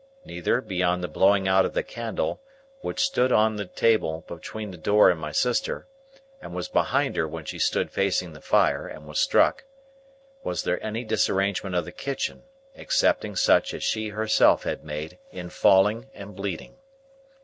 Neither, beyond the blowing out of the candle,—which stood on a table between the door and my sister, and was behind her when she stood facing the fire and was struck,—was there any disarrangement of the kitchen, excepting such as she herself had made, in falling and bleeding.